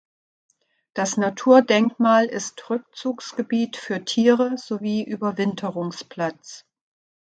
Das Naturdenkmal ist Rückzugsgebiet für Tiere sowie Überwinterungsplatz.